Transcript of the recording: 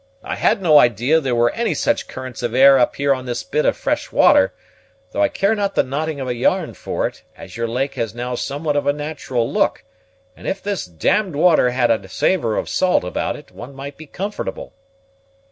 I had no idea there were any such currents of air up here on this bit of fresh water, though I care not the knotting of a yarn for it, as your lake has now somewhat of a natural look; and if this d d water had a savor of salt about it, one might be comfortable."